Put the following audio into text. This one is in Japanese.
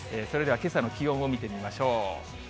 それではけさの気温を見てみましょう。